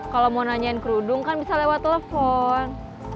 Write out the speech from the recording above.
kalau mau nanyain kerudung kan bisa lewat telepon